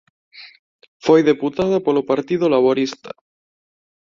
Foi deputada polo Partido Laborista.